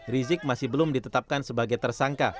rizik masih belum ditetapkan sebagai tersangka